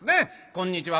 「こんにちは」。